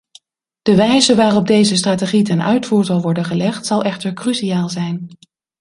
De wijze waarop deze strategie ten uitvoer zal worden gelegd zal echter cruciaal zijn.